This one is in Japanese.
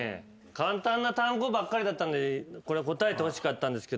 簡単な単語ばっかりだったんでこれは答えてほしかったんです。